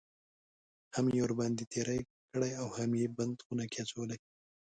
هم یې ورباندې تېری کړی اوهم یې بند خونه کې اچولی.